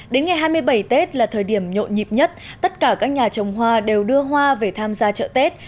đến ngày hai mươi bảy tết là thời điểm nhộn nhịp nhất tất cả các nhà trồng hoa đều đưa hoa về tham gia chợ tết